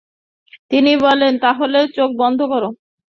তিনি বললেন, তাহলে চোখ বন্ধ করো ।